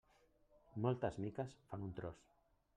Moltes miques fan un tros.